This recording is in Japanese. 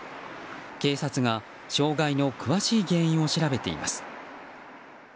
警察が障害の詳しい原因を調べています。